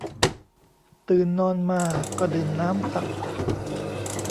ตื่นนอนมาก็ดื่มน้ำสัก